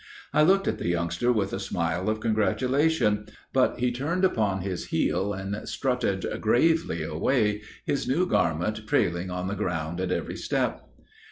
I looked at the youngster with a smile of congratulation; but he turned upon his heel and strutted gravely away, his new garment trailing on the ground at every step.